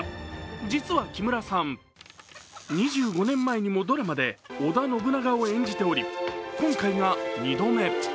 実は木村さん、２５年前にもドラマで織田信長を演じており今回が２度目。